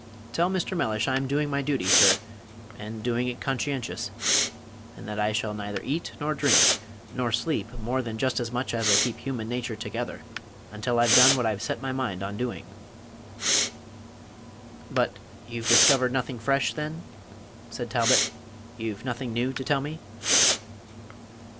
Tell Mr. Mellish I'm doing my duty, sir, and doing it conscientious; and that I shall neither eat, nor drink, nor sleep more than just as much as'll keep human nature together, until I've done what I've set my mind on doing." "But you've discovered nothing fresh, then?" said Talbot; "you've nothing new to tell me?"